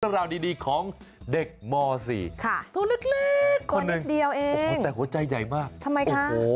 ราวดีของเด็กม๔ค่ะคนหนึ่งแต่หัวใจใหญ่มากทำไมคะ